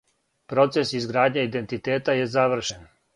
Процес изградње идентитета је завршен.